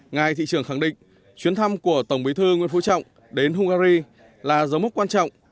ngài thị trường khẳng định chuyến thăm của tổng bí thư nguyễn phú trọng đến hungary là dấu mốc quan trọng